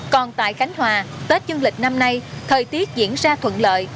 còn tại khánh hòa tết dương lịch năm nay thời tiết diễn ra thuận lợi